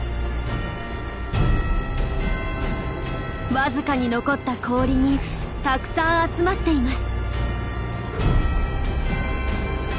わずかに残った氷にたくさん集まっています。